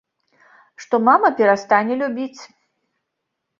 Што мама перастане любіць.